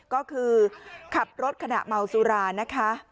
ก็คือขับรถขณะเมาสุรานะคะ